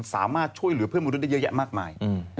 สามารถช่วยเหลือเพื่อนมนุษย์ได้เยอะแยะมากมาย